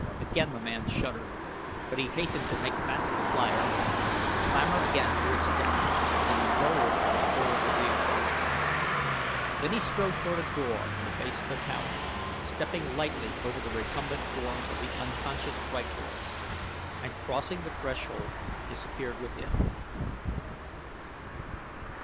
Again the man shuddered, but he hastened to make fast the flier, clamber again to its deck and lower it to the floor of the enclosure. Then he strode toward a door in the base of the tower, stepping lightly over the recumbent forms of the unconscious rykors, and crossing the threshold disappeared within.